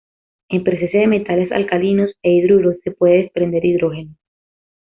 En presencia de metales alcalinos e hidruros se puede desprender hidrógeno.